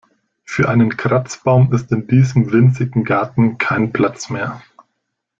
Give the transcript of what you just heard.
Für einen Kratzbaum ist in diesem winzigen Garten kein Platz mehr.